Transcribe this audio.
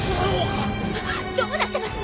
どうなってますの？